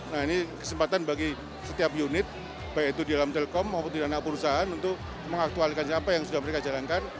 nah ini kesempatan bagi setiap unit baik itu di dalam telkom maupun di dalam perusahaan untuk mengaktualisasi apa yang sudah mereka jalankan